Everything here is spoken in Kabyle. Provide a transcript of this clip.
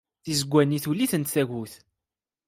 Tizewwa-nni tuli-tent tagut.